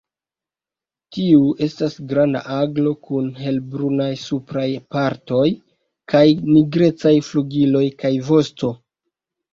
Tiu estas granda aglo kun helbrunaj supraj partoj kaj nigrecaj flugiloj kaj vosto.